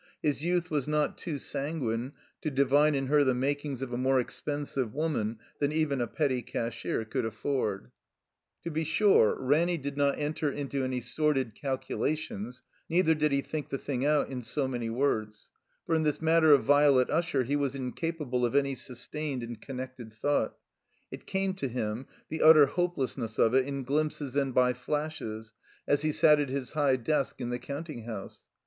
His youth was not too sanguine to divine in her the makings of a more expensive woman than even a petty cashier could afford. 90 THE COMBINED MAZE To be sure, Raiiny did not enter into any sordid calculations, neither did he think the thing out in so many words; for in this matter of Violet Usher he was incapable of any sustained and connected thought. It came to him — ^the utter hopelessness of it — in glimpses and by flashes, as he sat at his high desk in the counting house.